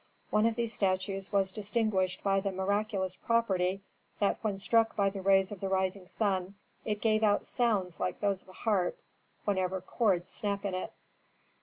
One of these statues was distinguished by the miraculous property that when struck by the rays of the rising sun it gave out sounds like those of a harp whenever chords snap in it.